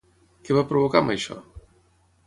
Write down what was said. Què va provocar amb això?